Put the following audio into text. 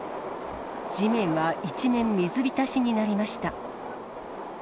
地面は一面、水浸しになりました。